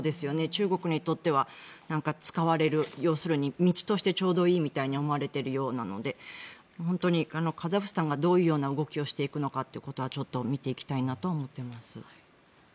中国にとっては使われる要するに道としてちょうどいいと思われているようなので本当にカザフスタンがどういう動きをしていくのかっていうことはちょっと見ていきたいなと思っています。